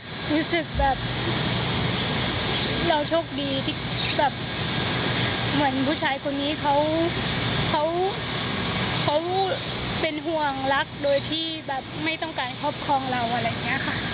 รู้สึกแบบเราโชคดีที่แบบเหมือนผู้ชายคนนี้เขาเป็นห่วงรักโดยที่แบบไม่ต้องการครอบครองเราอะไรอย่างนี้ค่ะ